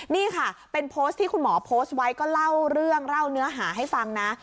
นี่ค่ะเป็นโพสต์ที่คุณหมอโพสต์ไว้ก็เล่าเรื่องเล่าเนื้อหาให้ฟังนะ